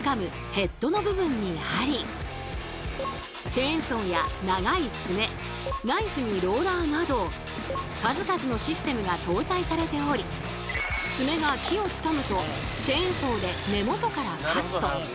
チェーンソーや長い爪ナイフにローラーなど数々のシステムが搭載されており爪が木をつかむとチェーンソーで根元からカット。